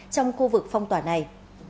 trong khu vực phong tỏa này